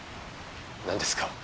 何ですか？